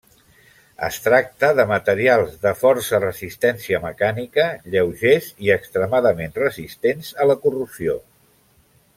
Es tracta de materials força resistència mecànica, lleugers i extremadament resistents a la corrosió.